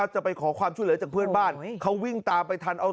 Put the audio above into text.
จะไปขอความช่วยเหลือจากเพื่อนบ้านเขาวิ่งตามไปทันเอา